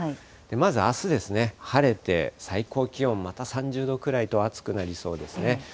まずあす、晴れて、最高気温また３０度くらいと暑くなりそうですね。